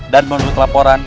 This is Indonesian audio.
dan menurut laporan